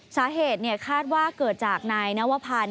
สาเหตุคาดว่าเกิดจากนายนวพันธ์